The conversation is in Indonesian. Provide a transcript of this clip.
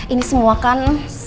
ini semua kan